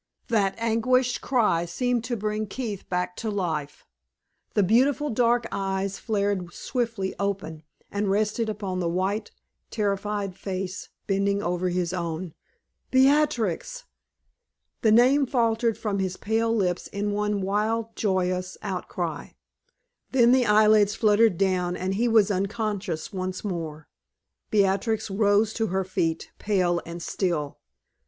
That agonized cry seemed to bring Keith back to life. The beautiful dark eyes flared swiftly open, and rested upon the white, terrified face bending over his own. "Beatrix!" The name faltered from his pale lips in one wild, joyous outcry; then the eyelids fluttered down and he was unconscious once more. Beatrix rose to her feet, pale and still.